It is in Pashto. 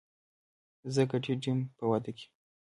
زه ګډېدم په وادۀ کې